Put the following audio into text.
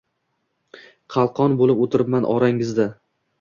qalqon bo‘lib o‘tiribman orangizda.